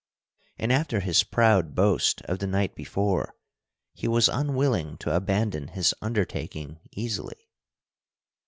And after his proud boast of the night before, he was unwilling to abandon his undertaking easily.